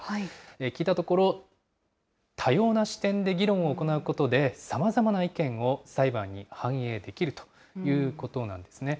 聞いたところ、多様な視点で議論を行うことで、さまざまな意見を裁判に反映できるということなんですね。